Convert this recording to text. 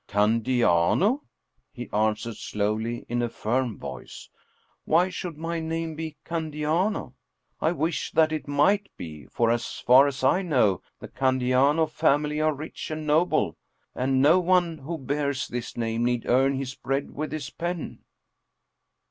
" Candiano? " he answered slowly in a firm voice. " Why should my name be Candiano? I wish that it might be, for as far as I know, the Candiano family are rich and 62 Paul Heyse noble, and no one who bears this name need earn his bread with his pen."